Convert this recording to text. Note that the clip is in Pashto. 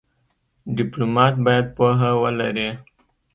ډيپلومات باید پوهه ولري.